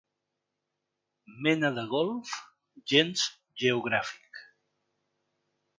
Mena de Golf gens geogràfic.